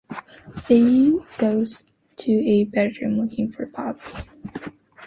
Sandy goes to a bedroom looking for Bobbie.